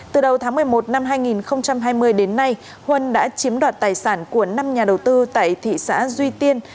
từ đầu tháng một mươi một năm hai nghìn hai mươi đến nay huân đã chiếm đoạt tài sản của năm nhà đầu tư tại thị xã duy tiên